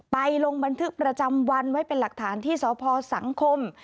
ลงบันทึกประจำวันไว้เป็นหลักฐานที่สพสังคม